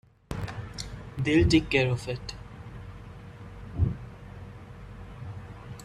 They'll take care of it.